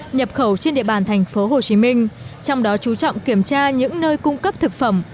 nhập khẩu trên địa bàn tp hcm trong đó chú trọng kiểm tra những nơi cung cấp thực phẩm